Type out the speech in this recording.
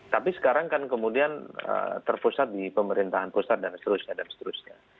tapi sekarang kan kemudian terpusat di pemerintahan pusat dan seterusnya dan seterusnya